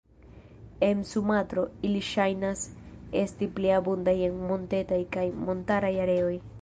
En Sumatro, ili ŝajnas esti pli abundaj en montetaj kaj montaraj areoj.